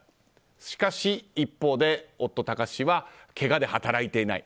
しかし、一方で夫・貴志氏はけがで働いていないと。